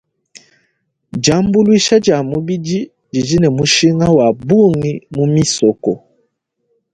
Diambuluisha dia mubidi didi ne mushinga wa bungi mu misoko.